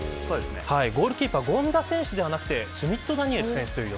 ゴールキーパー権田選手ではなくシュミット・ダニエル選手を。